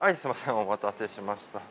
お待たせしました。